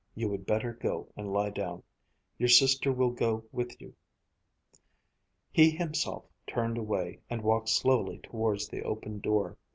You would better go and lie down. Your sister will go with you." He himself turned away and walked slowly towards the open door.